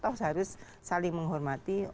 harus saling menghormati